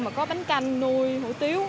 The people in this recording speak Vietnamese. mà có bánh canh nuôi hủ tiếu